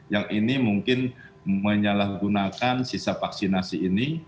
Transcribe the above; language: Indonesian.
yang ini mungkin menyalahgunakan sisa vaksinasi ini